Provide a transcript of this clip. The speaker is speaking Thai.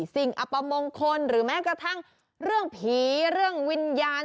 อัปมงคลหรือแม้กระทั่งเรื่องผีเรื่องวิญญาณ